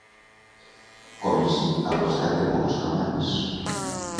Comenci al costat de molts romans.